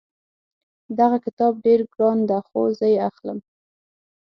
دغه کتاب ډېر ګران ده خو زه یې اخلم